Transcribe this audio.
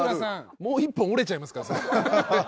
もう一本折れちゃいますからそれ。